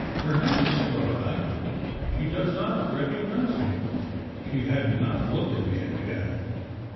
"Perhaps," thought I, "she does not recognise me?" She had not looked at me as yet.